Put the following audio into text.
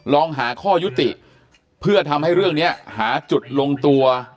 ลองหาข้อยุติเพื่อทำให้เรื่องนี้หาจุดลงตัว